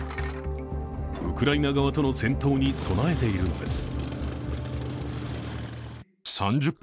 ウクライナ側との戦闘に備えているのです。